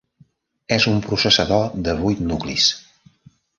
És un processador de vuit nuclis.